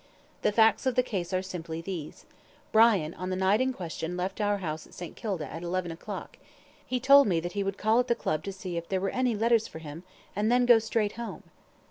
The facts of the case are simply these: Brian, on the night in question, left our house at St. Kilda, at eleven o'clock. He told me that he would call at the Club to see if there were any letters for him, and then go straight home."